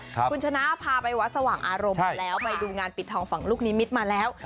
คุณชนะพาไปวัดสว่างอารมณ์มาแล้วไปดูงานปิดทองฝั่งลูกนิมิตรมาแล้ว